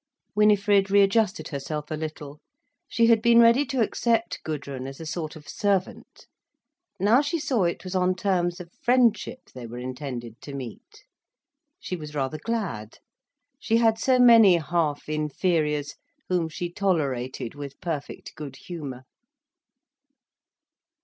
Winifred readjusted herself a little. She had been ready to accept Gudrun as a sort of servant. Now she saw it was on terms of friendship they were intended to meet. She was rather glad. She had so many half inferiors, whom she tolerated with perfect good humour.